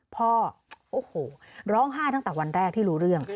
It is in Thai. พ่อโอ้โหร้องไห้ตั้งแต่วันแรกที่รู้เรื่อง